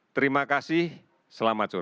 terima kasih selamat sore